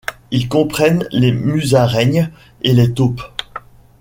Ils comprennent les musaraignes et les taupes.